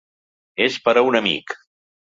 És per a un amic.